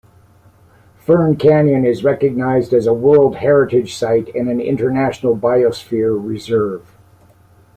Fern Canyon is recognized as a World Heritage site and an International Biosphere Reserve.